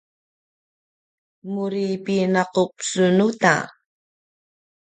muri pinaqup sun uta!